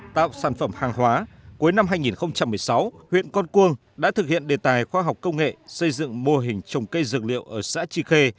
tạo sản phẩm hàng hóa cuối năm hai nghìn một mươi sáu huyện con cuông đã thực hiện đề tài khoa học công nghệ xây dựng mô hình trồng cây dược liệu ở xã tri khê